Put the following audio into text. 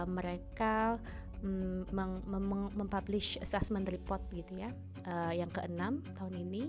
mereka mempublish assessment report yang ke enam tahun ini